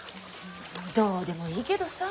どうでもいいけどさ。